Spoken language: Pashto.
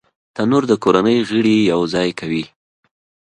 تنور د کورنۍ غړي یو ځای کوي